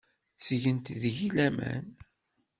Ttgent deg-i laman.